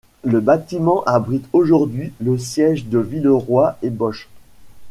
Le bâtiment abrite aujourd'hui le siège de Villeroy & Boch.